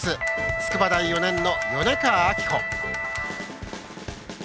筑波大４年の米川明穂。